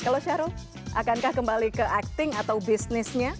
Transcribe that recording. kalau syahrul akankah kembali ke acting atau bisnisnya